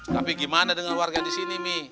tapi gimana dengan warga di sini mi